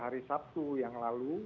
jadi ini sudah dikirimkan oleh pak kapuri